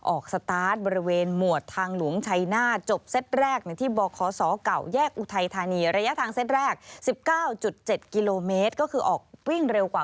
ออกสตาร์ทบริเวณหมวดทางหลวงชัยหน้า